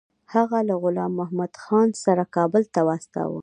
هغه له غلام محمدخان سره کابل ته واستاوه.